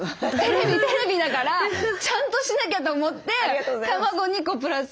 テレビだからちゃんとしなきゃと思って卵２個プラス。